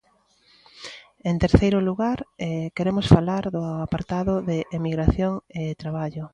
En terceiro lugar, queremos falar do apartado de emigración e traballo.